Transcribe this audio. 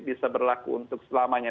bisa berlaku untuk selamanya